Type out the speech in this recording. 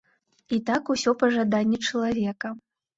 А так усё па жаданні чалавека.